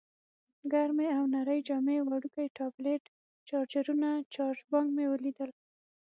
ګرمې او نرۍ جامې، وړوکی ټابلیټ، چارجرونه، چارج بانک مې ولیدل.